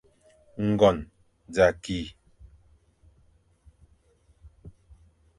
Ngon za ki,